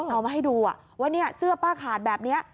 เอามาให้ดูว่าเสื้อป้าขาดแบบนี้